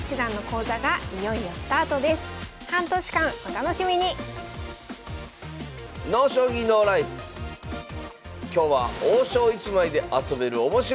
半年間お楽しみに今日は王将１枚で遊べるおもしろ将棋。